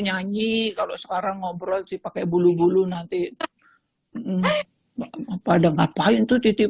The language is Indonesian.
nyanyi kalau sekarang ngobrol sih pakai bulu bulu nanti pada ngapain tuh titip